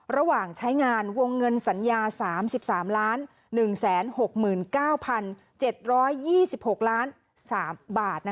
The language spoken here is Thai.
ระหว่างใช้งานวงเงินสัญญา๓๓๑๖๙๗๒๖๓บาท